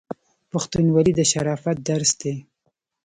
پښتونولي د شرافت درس دی.